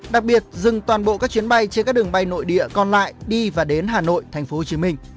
đặc biệt dừng toàn bộ các chuyến bay trên các đường bay nội địa còn lại đi và đến hà nội tp hcm